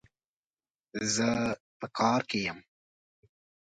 زه په کار کي يم